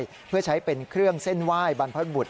เพื่อใช้เป็นเครื่องเส้นไหว้บรรพบุตร